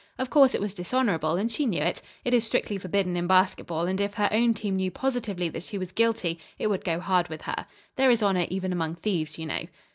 Of course it was dishonorable and she knew it. It is strictly forbidden in basketball, and if her own team knew positively that she was guilty, it would go hard with her. There is honor even among thieves, you know."